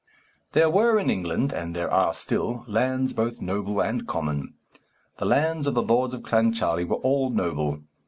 There were in England, and there are still, lands both noble and common. The lands of the Lords of Clancharlie were all noble.